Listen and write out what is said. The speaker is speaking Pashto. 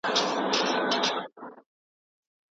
کاشکې ټولي نړۍ ته مي د پوهي پیغام رسولی وای.